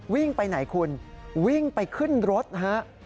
วิ่งไปไหนคุณวิ่งไปขึ้นรถนะฮะ